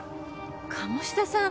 鴨志田さん